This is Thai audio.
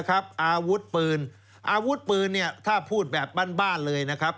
อาวุธปืนอาวุธปืนเนี่ยถ้าพูดแบบบ้านเลยนะครับ